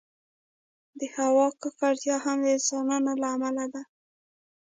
د هوا ککړتیا هم د انسانانو له امله ده.